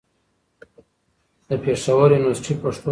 د پېښور يونيورسټۍ، پښتو څانګه